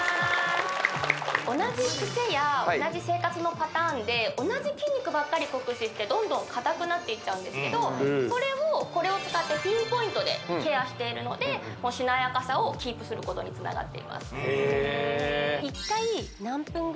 同じクセや同じ生活のパターンで同じ筋肉ばかり酷使してどんどんかたくなっていっちゃうんですけどそれをこれを使ってピンポイントでケアしているのでしなやかさをキープすることにつながっていますへえ１回何分ぐらいやればいいのかなって